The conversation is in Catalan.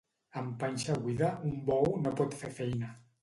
Amb panxa buida, un bou no pot fer feina.